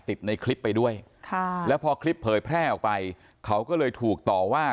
ติดในคลิปไปด้วยค่ะแล้วพอคลิปเผยแพร่ออกไปเขาก็เลยถูกต่อว่า